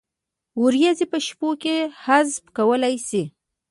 ورځې په شپو کې حذف کولای شي؟